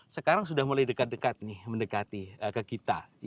sekarang sudah mulai dekat dekat nih mendekati ke kita